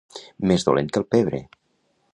Més dolent que el pebre.